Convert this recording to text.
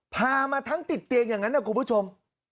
พามาทั้งติดเตียงอย่างนั้นนะคุณผู้ชม